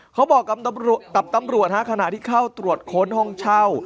เขาบอกกับตำรวจฮะขณะที่เข้าตรวจค้นห้องเช่า